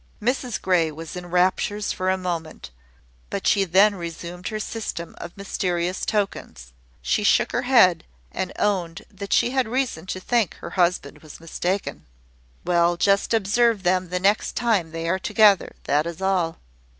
Mrs Grey was in raptures for a moment; but she then resumed her system of mysterious tokens. She shook her head, and owned that she had reason to think her husband was mistaken. "Well, just observe them the next time they are together; that is all."